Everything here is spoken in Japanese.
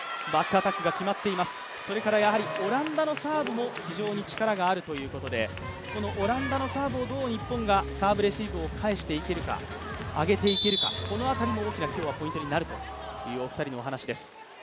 それからやはりオランダのサーブも非常に力があるということでオランダのサーブをどう日本がサーブレシーブを返していけるか、上げていけるか、この辺りも今日はポイントになるというお話です。